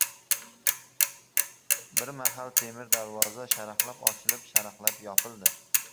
Bir mahal temir darvoza sharaqlab ochilib, sharaqlab yopildi.